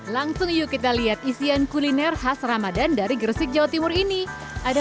langsung yuk kita lihat isian kuliner khas ramadan dari gresik jawa timur ini ada